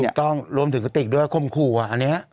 ต้องรวมถึงกระติกด้วยคมขู่อ่ะอันนี้